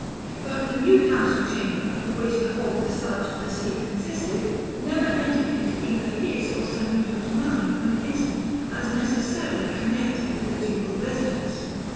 But the new Council Chamber, of which the whole façade to the Sea consisted, never entered into either his or Sanuto's mind for an instant, as necessarily connected with the Ducal residence.